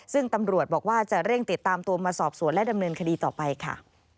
ซึ่งตำรวจบอกว่าจะเร่งติดตามตัวมาสอบสวนและดำเนินคดีต่อไปค่ะ